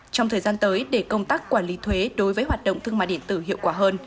trong thời gian tới để công tác quản lý thuế đối với hoạt động thương mại điện tử hiệu quả hơn